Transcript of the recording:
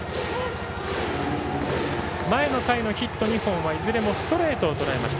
前の回のヒット２本はいずれもストレートをとらえました。